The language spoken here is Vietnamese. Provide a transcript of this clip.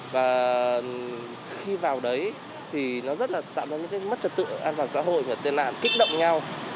và khi vào đấy thì nó rất là tạo ra những mất trật tự an toàn xã hội và tệ nạn kích động nhau